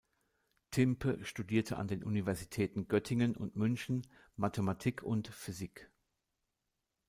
Timpe studierte an den Universitäten Göttingen und München Mathematik und Physik.